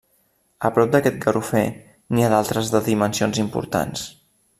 A prop d'aquest garrofer n'hi ha d'altres de dimensions importants.